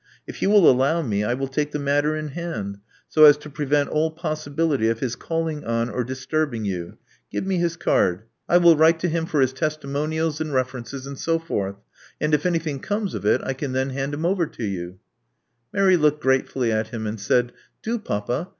If you will allow me, I will take the matter in hand, so as to prevent all possibility of bis calling on or disturbing you. Give me his card. ana so forth; ana it anything comes of it, 1 can then hand him over to you." Mary looked gratefully at him, and said, "Do, papa.